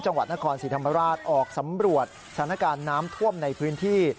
จังหวัดนครศรีธรรมราชออกสำรวจสถานการณ์น้ำท่วมในพื้นที่